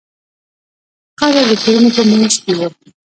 قبر د کورونو په منځ کې و.